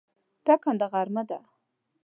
ټکنده غرمه ده